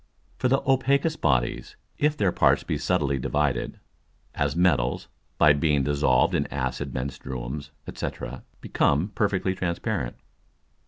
_ For the opakest Bodies, if their parts be subtilly divided, (as Metals, by being dissolved in acid Menstruums, &c.) become perfectly transparent.